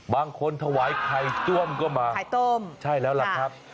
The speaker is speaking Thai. บางคนถวายไข่ต้มก็มาใช่แล้วล่ะครับ